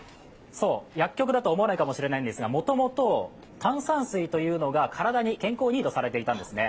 薬局だと思わないかもしれないですがもともと炭酸水というのが体、健康にいいとされていたんですね。